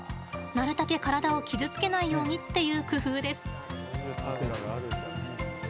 なるたけ体を傷つけないようにっていう工夫です。